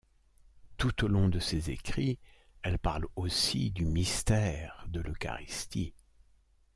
Tout au long de ses écrits, elle parle aussi du mystère de l'Eucharistie.